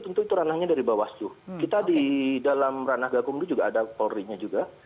tentu itu ranahnya dari bawaslu kita di dalam ranah gakumdu juga ada polri nya juga